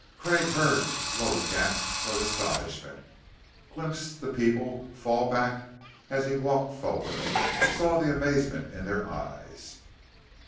Craig heard low gasps of astonishment, glimpsed the people fall back as he walked forward, saw the amazement in their eyes.